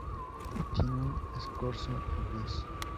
Tiene un escorzo audaz.